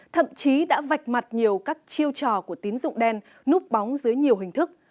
thậm chí đã vạch mặt nhiều các chiêu trò của tín dụng đen núp bóng dưới nhiều hình thức